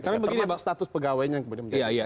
termasuk status pegawainya